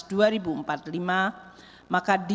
maka desain kebijakan memiliki muslim yang mendiri semacam yani